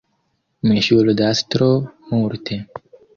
Mi ŝuldas tro multe,...